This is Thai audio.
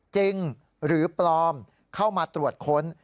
จริงหรือปลอมเข้ามาตรวจค้น